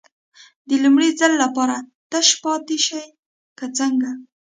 د لومړي ځل لپاره تش پاتې شي که څنګه.